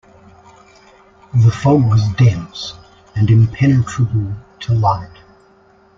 The fog was dense and impenetrable to light.